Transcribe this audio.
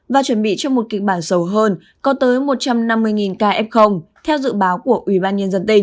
và chuẩn bị cho một kịch bản sầu hơn có tới một trăm năm mươi ca f theo dự báo của ubnd